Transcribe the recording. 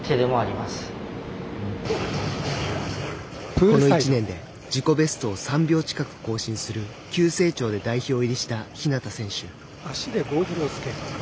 この１年で自己ベストを３秒近く更新する急成長で代表入りした日向選手。